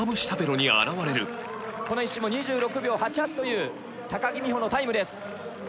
舌ペロに表れる実況：この１周も２６秒８８という高木美帆のタイムです。